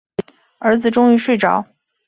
儿子终于睡着